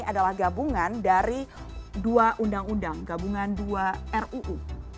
adalah gabungan dari dua undang undang gabungan dua ruu